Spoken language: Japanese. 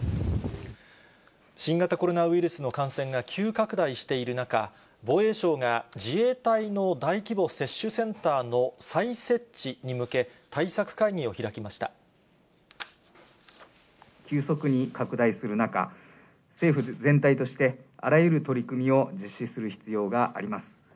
新型コロナウイルスの感染が急拡大している中、防衛省が自衛隊の大規模接種センターの再設置に向け、対策会議を急速に拡大する中、政府全体として、あらゆる取り組みを実施する必要があります。